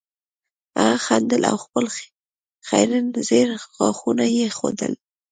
هغه خندل او خپل خیرن زیړ غاښونه یې ښودل